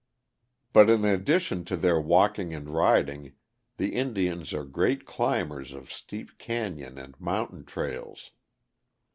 ] But in addition to their walking and riding the Indians are great climbers of steep canyon and mountain trails.